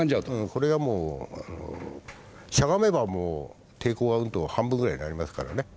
これがもうしゃがめばもう抵抗は半分ぐらいになりますからね。